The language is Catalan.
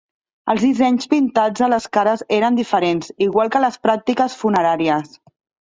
Els dissenys pintats a les cares eren diferents, igual que les pràctiques funeràries.